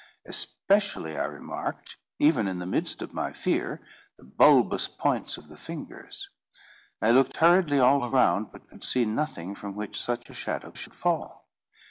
Especially I remarked, even in the midst of my fear, the bulbous points of the fingers. I looked hurriedly all around, but could see nothing from which such a shadow should fall.